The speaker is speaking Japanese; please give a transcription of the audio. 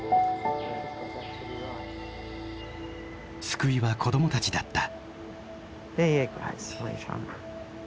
救いは子どもたちだった。